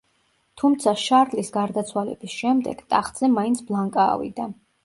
თუმცა შარლის გარდაცვალების შემდეგ ტახტზე მაინც ბლანკა ავიდა.